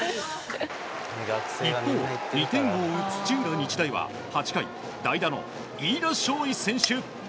一方、２点を追う土浦日大は８回、代打の飯田将生選手。